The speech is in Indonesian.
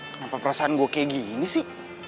kenapa perasaan gue kayak gini sih